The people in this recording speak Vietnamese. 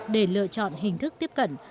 để lựa chọn hình thức tiếp cận